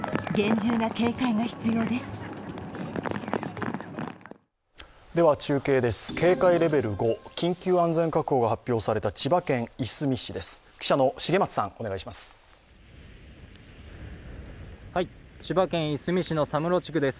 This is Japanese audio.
中継です、警戒レベル５、緊急安全確保が発表された千葉県いすみ市です。